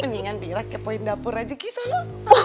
mendingan bi irah kepoin dapur aja kisah lo